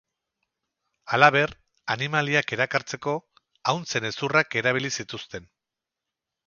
Halaber, animaliak erakartzeko ahuntzen hezurrak erabili zituzten.